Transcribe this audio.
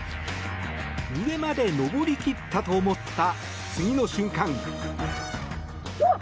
上まで登り切ったと思った次の瞬間。